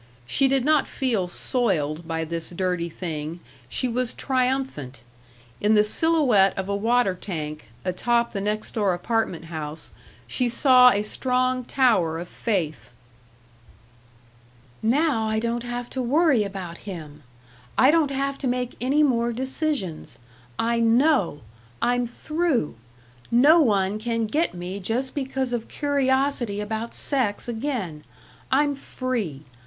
She did not feel soiled by this dirty thing. She was triumphant. In the silhouette of a water tank, atop the next door apartment house, she saw a strong tower of faith. "Now I don't have to worry about him. I don't have to make any more decisions. I know! I'm through! No one can get me just because of curiosity about sex again. I'm free.